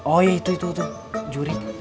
oh ya itu itu tuh juri